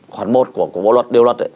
khoảng một của bộ luật điều luật